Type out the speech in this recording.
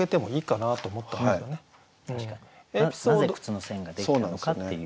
なぜ靴の線が出来たのかっていう。